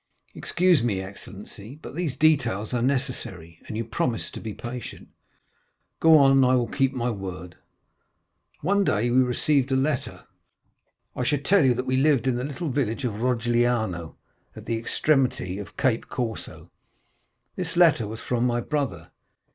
"Excuse me, excellency, but these details are necessary, and you promised to be patient." "Go on; I will keep my word." "One day we received a letter. I should tell you that we lived in the little village of Rogliano, at the extremity of Cap Corse. This letter was from my brother.